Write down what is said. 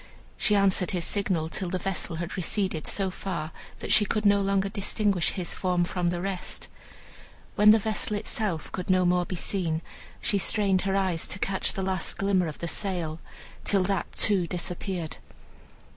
She answered his signal till the vessel had receded so far that she could no longer distinguish his form from the rest. When the vessel itself could no more be seen, she strained her eyes to catch the last glimmer of the sail, till that too disappeared.